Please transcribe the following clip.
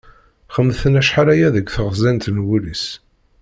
Xemten acḥal aya deg texzant n wul-is.